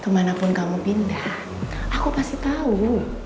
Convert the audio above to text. dimana pun kamu pindah aku pasti tahu